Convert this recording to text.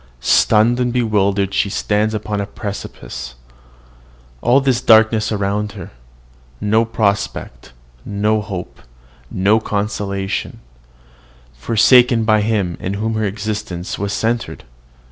Stunned and bewildered, she stands upon a precipice. All is darkness around her. No prospect, no hope, no consolation forsaken by him in whom her existence was centred!